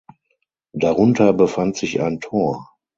Darunter befand sich ein Tor.